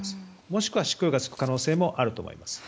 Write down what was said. もしくは執行猶予が付く可能性もあると思います。